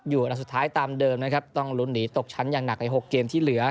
อันดับสุดท้ายตามเดิมนะครับต้องลุ้นหนีตกชั้นอย่างหนักใน๖เกมที่เหลือ